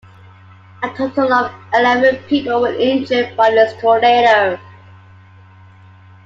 A total of eleven people were injured by this tornado.